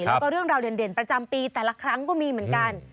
แล้วก็เรื่องราวเด่นประจำปีแต่ละครั้งก็มีเหมือนกัน